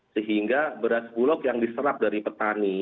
sehingga beras bulog yang diserap dari petani